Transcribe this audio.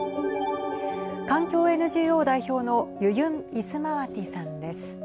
環境ＮＧＯ代表のユユン・イスマワティさんです。